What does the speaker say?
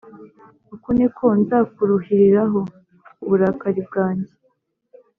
Uku ni ko nzakuruhuriraho uburakari bwanjye